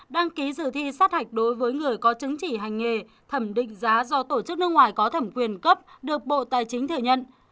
đăng ký dự thi sát hạch đối với người có chứng chỉ hành nghề thẩm định giá do tổ chức nước ngoài có thẩm quyền cấp được bộ tài chính thừa nhận